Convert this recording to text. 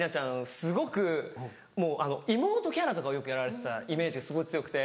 すごくもうあの妹キャラとかをよくやられてたイメージがすごい強くて。